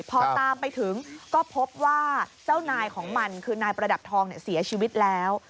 พอตามไปถึงก็พบว่าเจ้านายของมันคือนายประดับทองเสียชีวิตแล้ว